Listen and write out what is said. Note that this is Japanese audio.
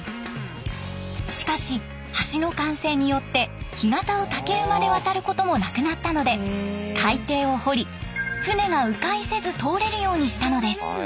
しかし橋の完成によって干潟を竹馬で渡ることもなくなったので海底を掘り船がう回せず通れるようにしたのです。